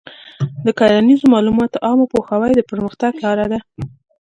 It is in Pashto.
د کرنیزو معلوماتو عامه پوهاوی د پرمختګ لاره ده.